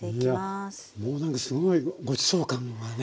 いやもう何かすごいごちそう感がね。